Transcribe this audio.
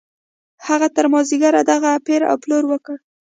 هغه تر مازديګره دغه پېر او پلور وکړ.